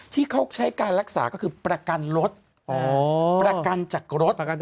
ที่เขาใช้การรักษาก็คือประกันรถอ๋อประกันจากรถประกันจากรถ